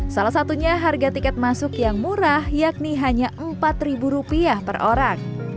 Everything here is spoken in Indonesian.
salah satunya harga tiket masuk yang murah yakni hanya rp empat per orang